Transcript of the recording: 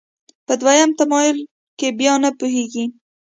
په دویم تمایل کې بیا نه پوهېږي.